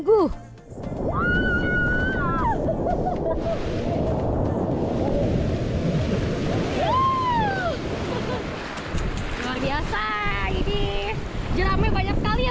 cukup cukup menantang lah jeramnya